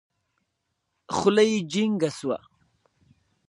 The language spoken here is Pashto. خوله يې جينګه سوه.